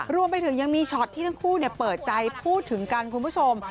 รวมไปถึงยังมีช็อตที่ทั้งคู่เปิดใจพูดถึงกันคุณผู้ชม